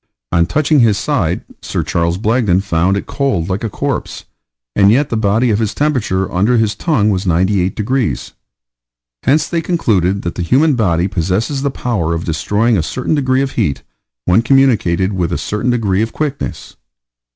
On touching his side, Sir Charles Blagden found it cold like a corpse, and yet the heat of his body under his tongue was 98 degrees. Hence they concluded that the human body possesses the power of destroying a certain degree of heat when communicated with a certain degree of quickness.